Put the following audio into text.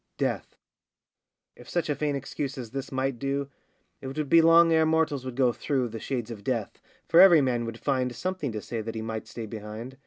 DEATH. If such a vain excuse as this might do, It would be long ere mortals would go through The shades of death; for every man would find Something to say that he might stay behind.